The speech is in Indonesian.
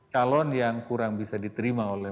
calon yang kurang bisa diterima oleh